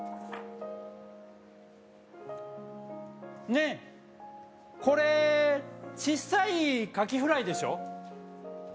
ねっこれちっさいカキフライでしょ？